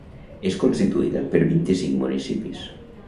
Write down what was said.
És constituïda per vint-i-cinc municipis.